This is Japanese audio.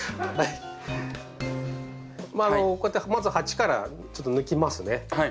こうやってまず鉢からちょっと抜きますね。